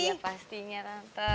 iya pastinya tante